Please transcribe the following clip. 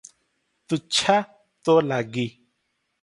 ତୁଚ୍ଛା ତୋ ଲାଗି ।"